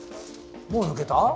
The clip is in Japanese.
もう抜けた？